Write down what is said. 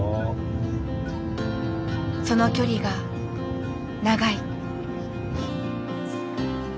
その距離が長い。